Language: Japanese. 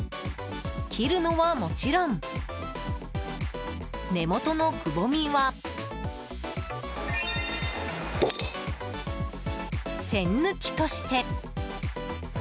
切るのはもちろん根本のくぼみは栓抜きとして。